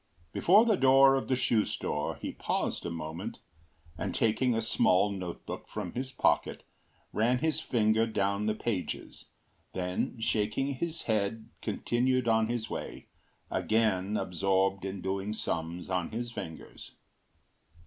Before the door of the shoe store he paused a moment, and taking a small note book from his pocket ran his finger down the pages, then shaking his head continued on his way, again absorbed in doing sums on his fingers.